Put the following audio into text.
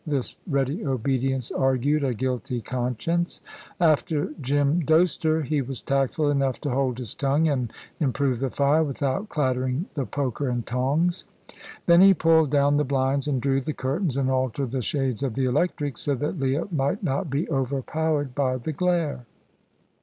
This ready obedience argued a guilty conscience. After Jim dosed her, he was tactful enough to hold his tongue and improve the fire, without clattering the poker and tongs. Then he pulled down the blinds and drew the curtains, and altered the shades of the electrics, so that Leah might not be overpowered by the glare.